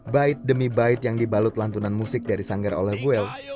bait demi bait yang dibalut lantunan musik dari sanggar oleh well